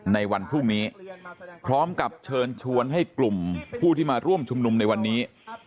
ในวันพรุ่งนี้พร้อมกับเชิญชวนให้กลุ่มผู้ที่มาร่วมชุมนุมในวันนี้